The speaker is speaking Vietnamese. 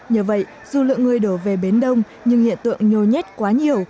nhờ vậy dù lượng người đổ về bến đông nhưng hiện tượng nhồi nhét quá nhiều